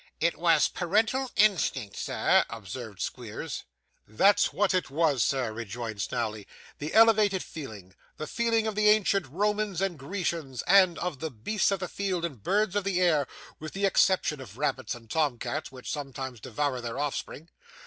'It was parental instinct, sir,' observed Squeers. 'That's what it was, sir,' rejoined Snawley; 'the elevated feeling, the feeling of the ancient Romans and Grecians, and of the beasts of the field and birds of the air, with the exception of rabbits and tom cats, which sometimes devour their offspring.